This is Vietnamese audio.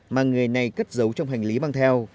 mà người này cất giấu trong hành lý mang theo